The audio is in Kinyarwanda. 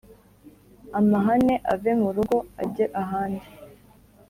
Amahane ave mu rugo ajye ahandi